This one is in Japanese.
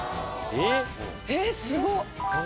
ええすごっ・